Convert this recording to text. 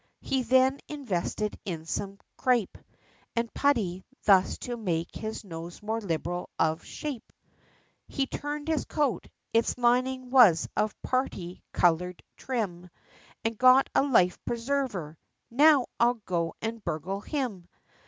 He then invested in some crape, And putty, thus to make his nose more liberal of shape; He turned his coat, its lining was of party colored trim, And got a life preserver "now I'll go and burgle him!"